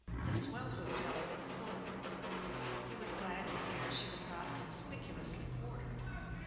The swell hotels are full.' He was glad to hear she was not conspicuously quartered.